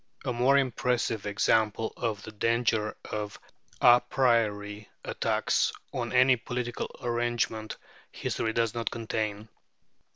A more impressive example of the danger of à priori attacks on any political arrangement, history does not contain.